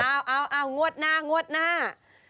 เอางวดหน้า